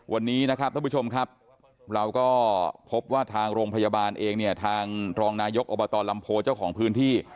วันนี้นะครับท่านผู้ชมครับเราก็พบว่าทางโรงพยาบาลเองเนี่ยทางรองนายกอบตลำโพเจ้าของพื้นที่